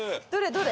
どれ？